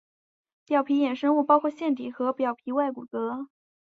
表皮衍生物包括腺体和表皮外骨骼。